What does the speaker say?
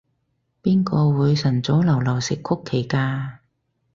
邊個會晨早流流食曲奇㗎？